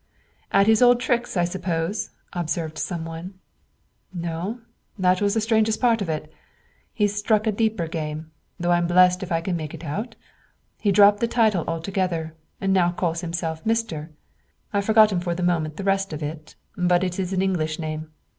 "At his old tricks, I suppose," observed some one. "No; that was the strangest part of it. He's struck a deeper game though I'm blessed if I can make it out he's dropped the title altogether, and now calls himself Mister I've forgotten for the moment the rest of it, but it is an English name.